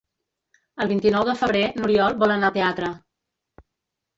El vint-i-nou de febrer n'Oriol vol anar al teatre.